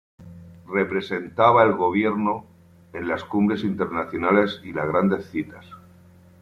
Representaba el gobierno en las cumbres internacionales y las grandes citas.